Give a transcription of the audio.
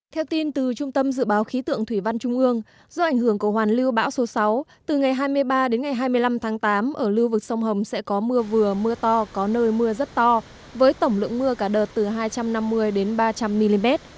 theo tin từ trung tâm dự báo khí tượng thủy văn trung ương do ảnh hưởng của hoàn lưu bão số sáu từ ngày hai mươi ba đến ngày hai mươi năm tháng tám ở lưu vực sông hồng sẽ có mưa vừa mưa to có nơi mưa rất to với tổng lượng mưa cả đợt từ hai trăm năm mươi đến ba trăm linh mm